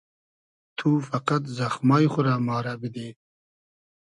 تو فئقئد زئخمای خو رۂ ما رۂ بیدی